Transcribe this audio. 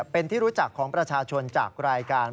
เป็นที่รู้จักของประชาชนจากรายการ